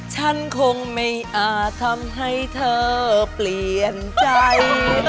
ฉันคงไม่อาจทำให้เธอเปลี่ยนใจ